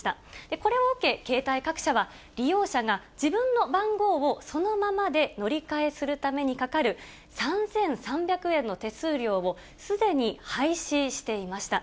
これを受け、携帯各社は利用者が自分の番号をそのままで乗り換えするためにかかる３３００円の手数料を、すでに廃止していました。